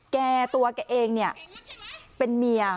แกตัวแกเองเป็นเมีย